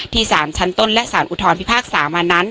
สารชั้นต้นและสารอุทธรพิพากษามานั้น